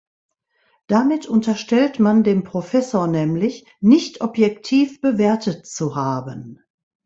Damit unterstellt man dem Professor nämlich, nicht objektiv bewertet zu haben.